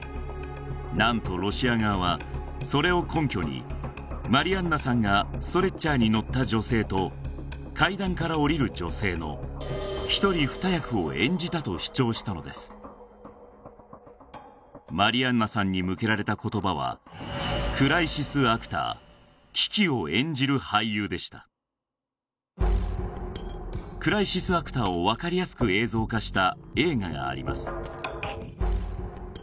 何とロシア側はそれを根拠にマリアンナさんがストレッチャーに乗った女性と階段から下りる女性の１人２役を演じたと主張したのですマリアンナさんに向けられた言葉はでしたクライシスアクターを分かりやすく映像化した映画があります